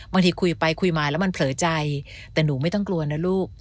บางทีคุยไปคุยมาแล้วมันเผลอใจแต่หนูไม่ต้องกลัวนะลูก